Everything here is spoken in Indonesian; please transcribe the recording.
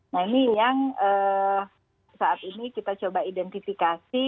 nah ini yang saat ini kita coba identifikasi